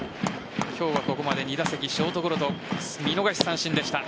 今日はここまで２打席ショートゴロと見逃し三振でした。